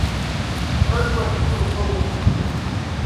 ʼÄkuʼa teʼ suʼkobya.